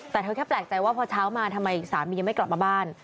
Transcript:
แต่เธอแค่แปลกใจว่าพอเช้ามาทำไมสามียังไม่กลับมาบ้าน